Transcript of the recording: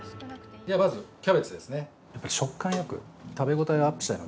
◆まず、キャベツですね。